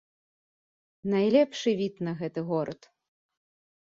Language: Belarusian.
Найлепшы від на гэты горад.